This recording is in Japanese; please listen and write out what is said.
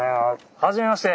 はじめまして。